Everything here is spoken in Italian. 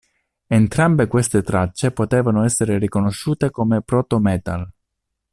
Entrambe queste tracce potevano essere riconosciute come "proto-metal".